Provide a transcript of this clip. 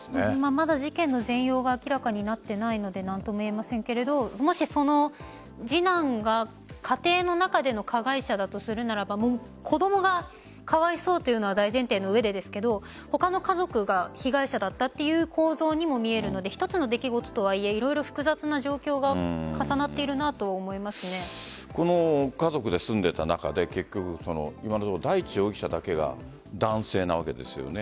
まだ事件の全容が明らかになってないので何とも言えませんがもし、その次男が家庭の中での加害者だとするならば子供がかわいそうというのは大前提の上ですが他の家族が被害者だったという構造にも見えるので一つの出来事とはいえ色々複雑な状況がこの家族で住んでいた中で今のところ大地容疑者だけが男性なわけですよね。